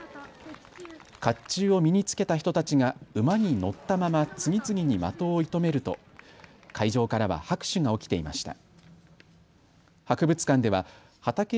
かっちゅうを身に着けた人たちが馬に乗ったまま次々に的を射止めると会場からは拍手が起きていました。